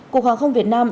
cục hàng không việt nam